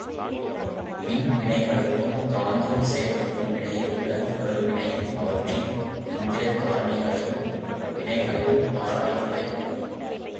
மின் வினைகளுக்கும் காந்த விசைகளுக்குமிடையே உள்ள தொடர்பினையும் அவற்றின் எந்திரக் காரணிகளையும் வினைகளையும் ஆராயுந்துறை.